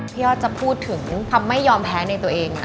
พี่ยอตจะพูดถึงการไม่ยอมแพ้ในตัวเอง